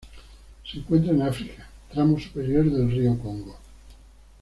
Se encuentran en África: tramo superior del río Congo.